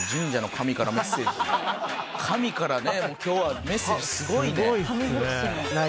神からね今日はメッセージすごいね。